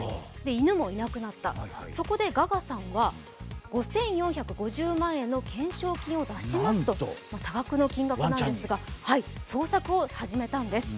犬もいなくなった、そこでガガさんは５４５０万円の懸賞金を出しますと、多額な金額なんですが、捜索を始めたんです。